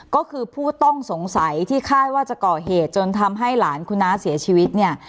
ก็คือผู้ต้องสงสัยที่คาดว่าจะก่อเหตุจนทำให้หลานคุณน้าเสียชีวิตเนี่ย